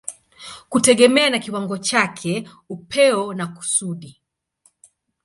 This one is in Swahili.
kutegemea na kiwango chake, upeo na kusudi.